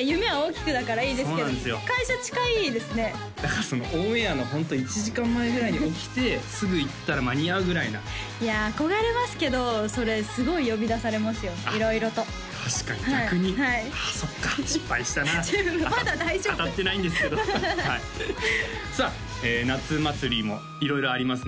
夢は大きくだからいいですけど会社近いですねだからそのオンエアのホント１時間前ぐらいに起きてすぐ行ったら間に合うぐらいないや憧れますけどそれすごい呼び出されますよ色々と確かに逆にああそっか失敗したなまだ大丈夫当たってないんですけどはいさあ夏祭りも色々あります